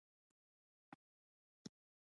د روداتو ولسوالۍ هواره ده